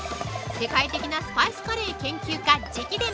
世界的なスパイスカレー研究家直伝！